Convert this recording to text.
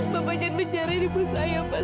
bapak jangan menjarahin ibu saya pak